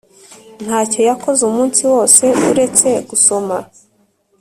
Ntacyo yakoze umunsi wose uretse gusoma